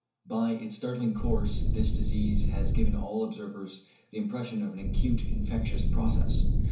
By its startling course this disease has given all observers the impression of an acute infectious process.